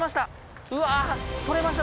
うわ取れました！